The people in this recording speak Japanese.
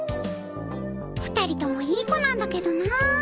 ２人ともいい子なんだけどな。